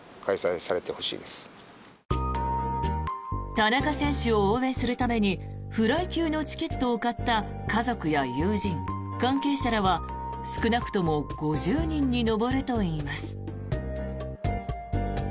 田中選手を応援するためにフライ級のチケットを買った家族や友人、関係者らは少なくとも５０人に上るといいます。